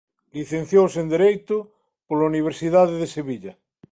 Licenciouse en Dereito pola Universidade de Sevilla.